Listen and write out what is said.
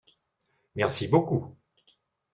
Merci beaucoup.